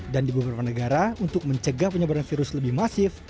dan di beberapa negara untuk mencegah penyebaran virus lebih masif